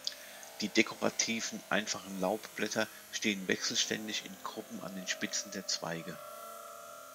Die dekorativen, einfachen Laubblätter stehen wechselständig in Gruppen an den Spitzen der Zweige.